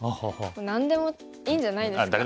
何でもいいんじゃないですか。